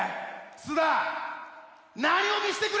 菅田何を見してくれる？